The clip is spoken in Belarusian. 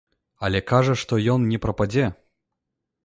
Але кажа, што ён не прападзе.